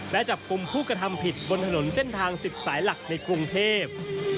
และจับกลุ่มผู้กระทำผิดบนถนนเส้นทาง๑๐สายหลักในกรุงเทพ